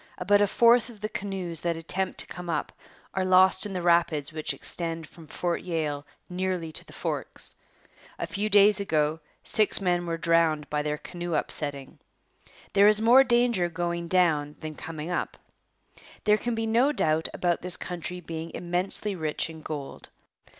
About a fourth of the canoes that attempt to come up are lost in the rapids which extend from Fort Yale nearly to the Forks. A few days ago six men were drowned by their canoe upsetting. There is more danger going down than coming up. There can be no doubt about this country being immensely rich in gold.